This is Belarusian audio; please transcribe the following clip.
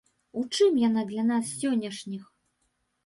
У чым яна для нас сённяшніх?